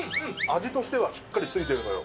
味としてはしっかりついてるのよ。